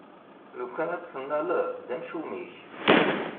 Lukan ad t-tennaleḍ, d amcum-ik!